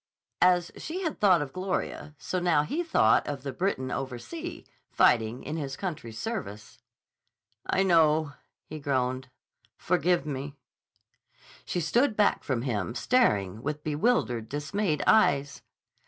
As she had thought of Gloria, so now he thought of the Briton oversea, fighting in his country's service. "I know," he groaned. "Forgive me." She stood back from him, staring with bewildered, dismayed eyes.